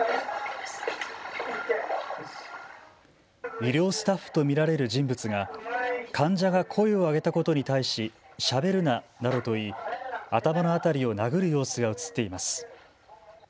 医療スタッフと見られる人物が患者が声を上げたことに対ししゃべるななどと言い頭の辺りを殴る様子が写っています。